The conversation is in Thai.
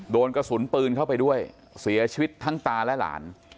โดนกระสุนปืนเข้าไปด้วยเสียชีวิตทั้งตาและหลาน